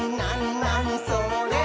なにそれ？」